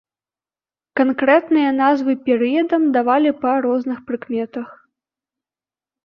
Канкрэтныя назвы перыядам давалі па розных прыкметах.